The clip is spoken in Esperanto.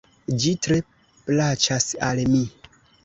Ĝi tre plaĉas al mi.